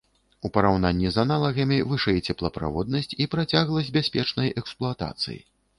У параўнанні з аналагамі вышэй цеплаправоднасць і працягласць бяспечнай эксплуатацыі.